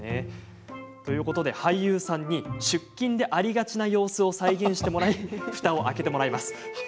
俳優さんに出勤でありがちな様子を再現してもらいふたを開けてもらいます。